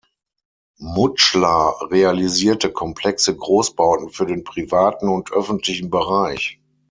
Mutschler realisierte komplexe Großbauten für den privaten und öffentlichen Bereich.